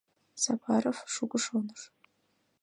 Сапаров шуко шоныш.